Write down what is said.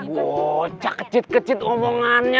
wocah kecet kecet omongannya